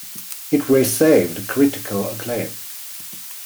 It received critical acclaim.